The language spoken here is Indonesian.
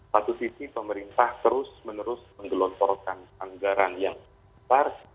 satu sisi pemerintah terus menerus menggelontorkan anggaran yang besar